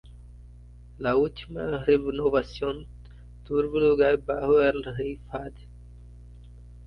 La última renovación tuvo lugar bajo el rey Fahd.